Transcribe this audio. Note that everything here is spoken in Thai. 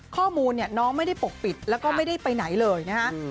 ข้อมูลเนี่ยน้องไม่ได้ปกปิดแล้วก็ไม่ได้ไปไหนเลยนะฮะ